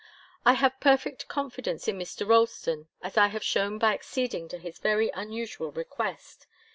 "I have perfect confidence in Mr. Ralston, as I have shown by acceding to his very unusual request.